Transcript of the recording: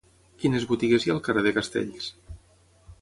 Quines botigues hi ha al carrer de Castells?